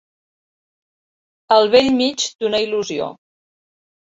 Al bell mig d'una il·lusió.